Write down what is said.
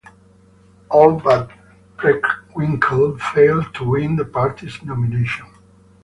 All but Preckwinkle failed to win the party's nomination.